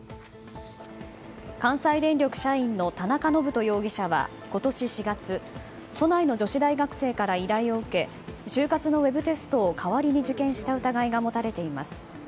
関西電力社員の田中信人容疑者は今年４月都内の女子大学生から依頼を受け就活のウェブテストを代わりに受験した疑いが持たれています。